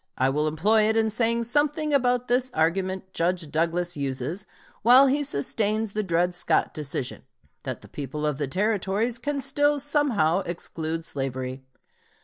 I will employ it in saying something about this argument Judge Douglas uses, while he sustains the Dred Scott decision, that the people of the Territories can still somehow exclude slavery.